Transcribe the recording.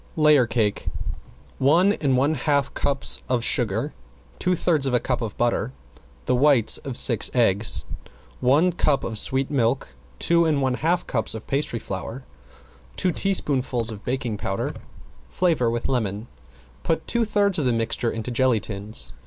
~LAYER CAKE~ One and one half cups of sugar, two thirds of a cup of butter, the whites of six eggs, one cup of sweet milk, two and one half cups of pastry flour, two teaspoonfuls of baking powder, flavor with lemon, put two thirds of the mixture into jelly tins.